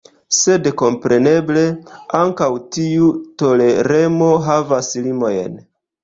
Sed kompreneble ankaŭ tiu toleremo havas limojn.